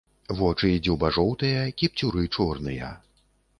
Вочы і дзюба жоўтыя, кіпцюры чорныя.